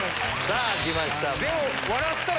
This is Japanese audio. さぁ来ました。